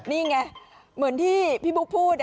นี่ไงเหมือนที่พี่บุ๊คพูด